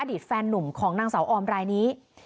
แฟนนุ่มของนางสาวออมรายนี้